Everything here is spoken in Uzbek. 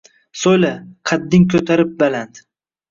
So’yla, qadding ko’tarib baland.